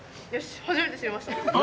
初めてしました。